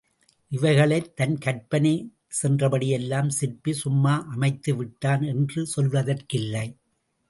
இவைகளைத் தன் கற்பனை சென்றபடியெல்லாம் சிற்பி சும்மா அமைத்துவிட்டான் என்று சொல்வதற்கில்லை.